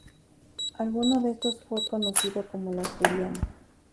Alguno de estos fue conocido como "El Asturiano".